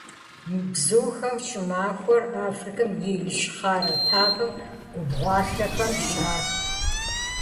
Мы бзухэм щӀымахуэр Африкэм и ищхъэрэ тафэ-губгъуалъэхэм щрах.